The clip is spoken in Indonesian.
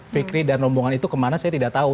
fikri dan rombongan itu kemana saya tidak tahu